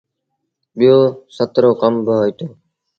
ٻيٚو سهت رو ڪم با هوئيٚتو۔